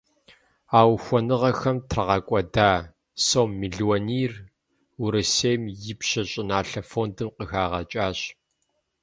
А ухуэныгъэхэм трагъэкӏуэда сом мелуанийр Урысейм и Ипщэ щӏыналъэ фондым къыхагъэкӏащ.